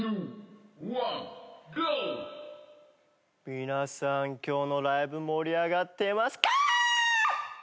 皆さん今日のライブ盛り上がってますかーっ！！